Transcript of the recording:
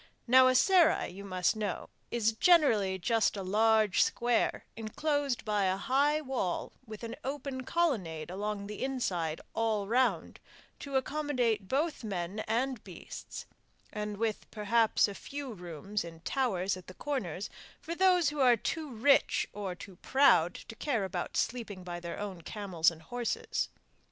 Now a serai, you must know, is generally just a large square enclosed by a high wall with an open colonnade along the inside all round to accommodate both men and beasts, and with perhaps a few rooms in towers at the corners for those who are too rich or too proud to care about sleeping by their own camels and horses.